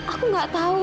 aku gak tau